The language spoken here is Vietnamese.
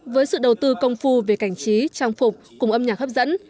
với sự đầu tư công phu về cảnh trí trang phục cùng âm nhạc hấp dẫn